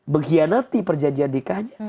mengkhianati perjanjian nikahnya